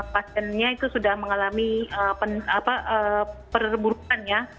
pasiennya itu sudah mengalami perburukannya